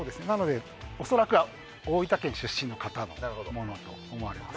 恐らく大分県出身の方だと思われます。